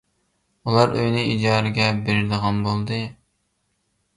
ئۇلار ئۆيىنى ئىجارىگە بېرىدىغان بولدى.